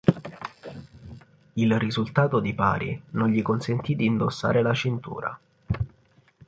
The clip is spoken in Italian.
Il risultato di pari non gli consentì di indossare la cintura.